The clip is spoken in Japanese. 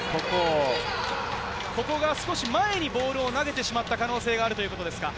ここが少し前にボールを投げてしまった可能性があるということですか？